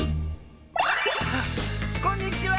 こんにちは！